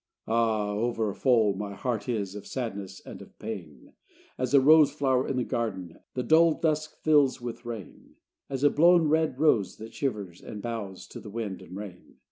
X Ah! over full my heart is Of sadness and of pain: As a rose flower in the garden The dull dusk fills with rain; As a blown red rose that shivers And bows to the wind and rain.